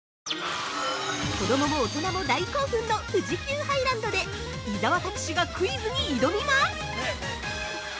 ◆子供も大人も大興奮の富士急ハイランドで伊沢拓司がクイズに挑みます！